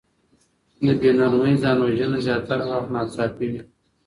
د بې نورمۍ ځان وژنه زياتره وخت ناڅاپي وي.